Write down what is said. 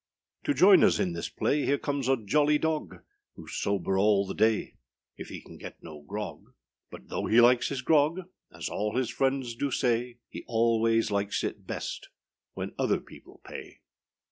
To join us in this play Here comes a jolly dog, Whoâs sober all the dayâ If he can get no grog. But though he likes his grog, As all his friends do say, He always likes it best When other people pay.